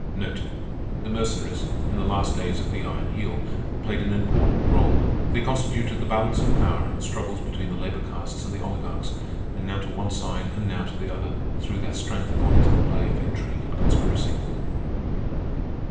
The Mercenaries, in the last days of the Iron Heel, played an important rôle. They constituted the balance of power in the struggles between the labor castes and the oligarchs, and now to one side and now to the other, threw their strength according to the play of intrigue and conspiracy.